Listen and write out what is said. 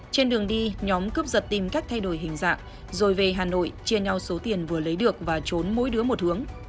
trên đường đi nhóm cướp giật tìm cách thay đổi hình dạng rồi về hà nội chia nhau số tiền vừa lấy được và trốn mỗi đứa một hướng